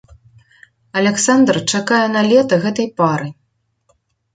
Аляксандра чакае налета гэтай пары.